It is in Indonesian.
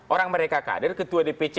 orang mereka kader ketua dpc